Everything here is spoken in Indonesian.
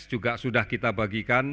juga sudah kita bagikan